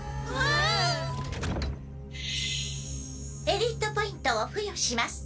エリートポイントを付与します。